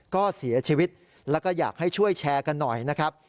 ก็เสียชีวิตแล้วก็อยากให้ช่วยแชร์กันหน่อยนะครับ